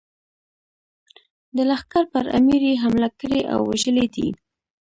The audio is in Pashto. د لښکر پر امیر یې حمله کړې او وژلی دی.